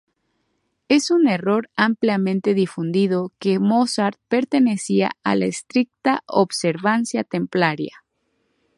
Es un error ampliamente difundido que Mozart pertenecía a la Estricta Observancia Templaria.